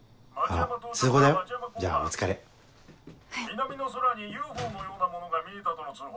南の空にＵＦＯのようなものが見えたとの通報。